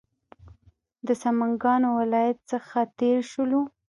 د سمنګانو ولایت څخه تېر شولو.